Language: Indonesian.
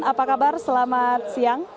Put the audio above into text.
apa kabar selamat siang